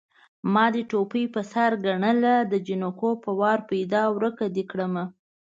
ما دې ټوپۍ په سر ګڼله د جنکو په وار پيدا ورکه دې کړمه